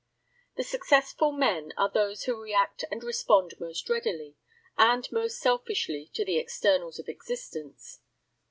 The successful men are those who react and respond most readily, and most selfishly to the externals of existence.